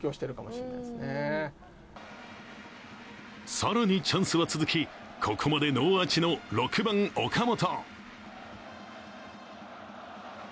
更にチャンスは続き、ここまでノーアーチの６番・岡本。